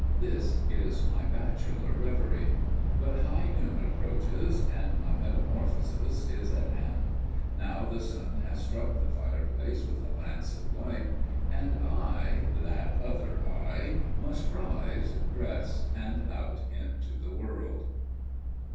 This is my bachelor reverie. But high noon approaches, and my metamorphosis is at hand. Now the sun has struck the fire place with a lance of light, and I, that other I, must rise, dress and out into the world!